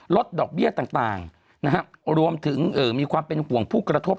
ลดดอกเบี้ยต่างนะฮะรวมถึงมีความเป็นห่วงผู้กระทบ